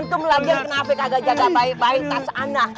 antum lagi yang kena afek agak agak baik baik tas anak